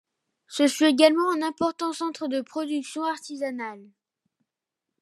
Ce fut également un important centre de production artisanale.